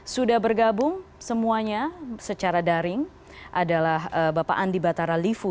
sudah bergabung semuanya secara daring adalah bapak andi batara livu